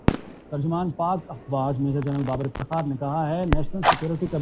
یہ سراسر غلط سوچ ہے۔